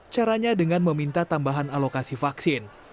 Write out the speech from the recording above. caranya dengan meminta tambahan alokasi vaksin